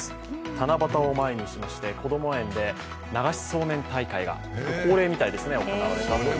七夕を前にしましてこども園で流しそうめん大会が恒例みたいですね、行われたみたいです。